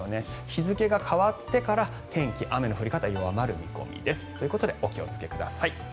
日付が変わってから天気、雨の降り方弱まる見込みです。ということでお気をつけください。